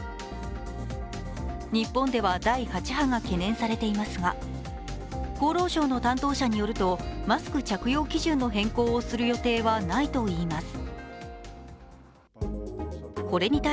日本では第８波が懸念されていますが厚労省の担当者によると、マスク着用基準の変更を検討する予定はないといいます。